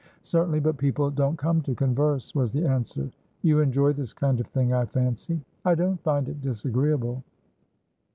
"Certainly. But people don't come to converse," was the answer. "You enjoy this kind of thing, I fancy?" "I don't find it disagreeable."